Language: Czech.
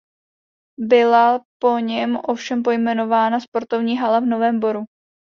Byla po něm ovšem pojmenována sportovní hala v Novém Boru.